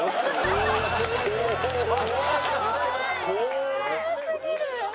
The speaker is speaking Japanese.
怖すぎる。